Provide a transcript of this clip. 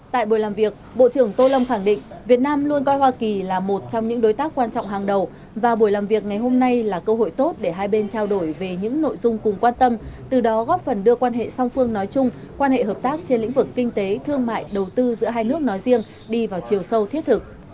tại buổi làm việc bộ trưởng tô lâm khẳng định việt nam luôn coi hoa kỳ là một trong những đối tác quan trọng hàng đầu và buổi làm việc ngày hôm nay là cơ hội tốt để hai bên trao đổi về những nội dung cùng quan tâm từ đó góp phần đưa quan hệ song phương nói chung quan hệ hợp tác trên lĩnh vực kinh tế thương mại đầu tư giữa hai nước nói riêng đi vào chiều sâu thiết thực